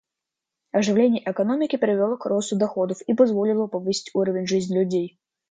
Оживление экономики привело к росту доходов и позволило повысить уровень жизни людей.